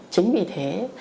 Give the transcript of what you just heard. chính vì thế